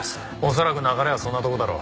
恐らく流れはそんなとこだろう。